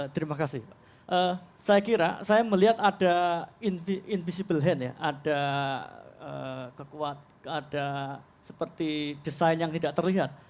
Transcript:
terima kasih pak saya kira saya melihat ada invisible hand ya ada kekuatan ada seperti desain yang tidak terlihat